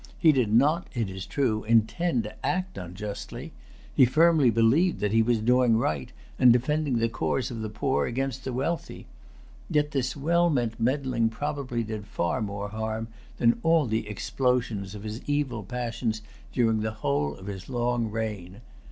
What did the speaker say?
He did not, it is true, intend to act unjustly. He firmly believed that he was doing right, and defending the cause of the poor against the wealthy. Yet this well meant meddling probably did far more harm than all the explosions of his evil passions during the whole of his long reign.